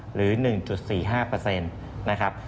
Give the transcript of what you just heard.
หรือ๑๔๕นะครับ